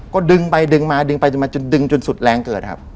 ก็ดึงไปดึงมาดึงไปดึงมาจนดึงจนสุดแรงเกิดครับ